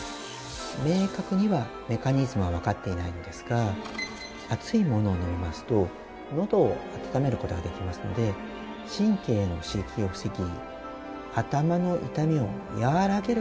明確にはメカニズムはわかっていないのですが熱いものを飲みますとのどを温める事ができますので神経への刺激を防ぎ頭の痛みを和らげる